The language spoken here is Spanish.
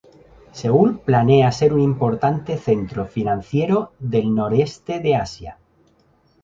Seúl planea ser un importante centro financiero del noreste de Asia.